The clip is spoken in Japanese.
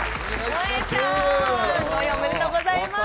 和多田ちゃん、５位、おめでとうございます。